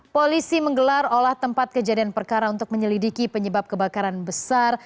polisi menggelar olah tempat kejadian perkara untuk menyelidiki penyebab kebakaran besar